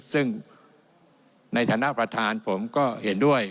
ซึ่งในฐานะประธานผมก็เห็นด้วย